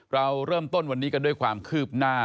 เราเริ่มต้นวันนี้กันด้วยความคืบหน้า